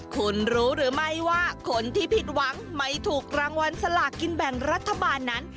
คุณรู้หรือไม่ว่าคนที่ผิดหวังไม่ถูกรางวัลสลากกินแบ่งรัฐบาลนั้น